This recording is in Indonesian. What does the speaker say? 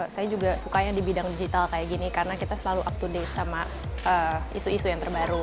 saya juga sukanya di bidang digital kayak gini karena kita selalu up to date sama isu isu yang terbaru